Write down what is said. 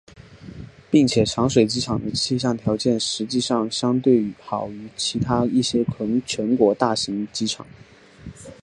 并且长水机场的气象条件实际上相对好于其他一些全国大型机场。